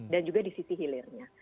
dan juga di sisi hilirnya